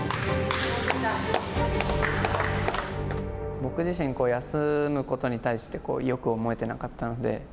僕自身、休むことに対してよく思えていなかったので。